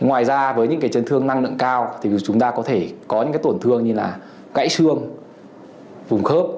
ngoài ra với những cái chấn thương năng lượng cao thì chúng ta có thể có những cái tổn thương như là gãy xương vùng khớp